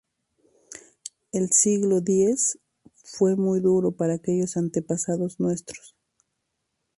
El siglo X fue muy duro para aquellos antepasados nuestros.